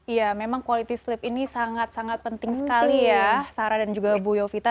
iya memang quality sleep ini sangat sangat penting sekali ya sarah dan juga bu yovita